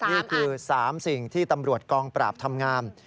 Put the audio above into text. นี่คือ๓สิ่งที่ตำรวจกองปราบทำงาม